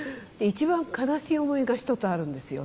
一番悲しい思い出が一つあるんですよ